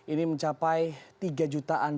ini mencapai tiga jutaan